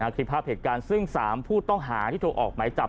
คลิปภาพเหตุการณ์ซึ่ง๓ผู้ต้องหาที่ถูกออกหมายจับ